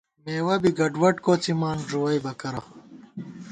مېوَہ بی گڈوڈ کوڅِمان ݫُوَئیبہ کرہ